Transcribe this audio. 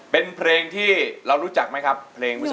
เป็นเพลงที่เรารู้จักไหมครับเพลงวิสุปรุง